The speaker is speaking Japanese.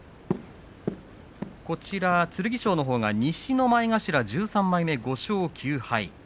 剣翔は西の前頭１３枚目５勝９敗。